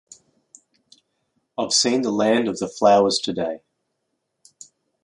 I’ve seen the land of the flowers today.